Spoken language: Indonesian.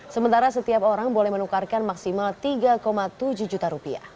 sementara setiap orang boleh menukarkan maksimal rp tiga tujuh juta